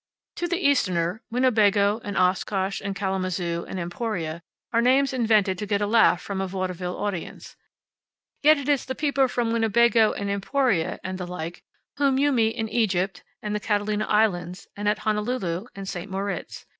To the Easterner, Winnebago, and Oshkosh, and Kalamazoo, and Emporia are names invented to get a laugh from a vaudeville audience. Yet it is the people from Winnebago and Emporia and the like whom you meet in Egypt, and the Catalina Islands, and at Honolulu, and St. Moritz.